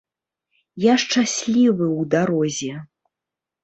Я шчаслівы ў дарозе.